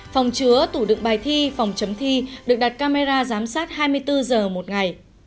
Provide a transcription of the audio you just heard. phòng chứa tủ đựng bài thi phòng chấm thi được đặt camera giám sát hai mươi bốn h một ngày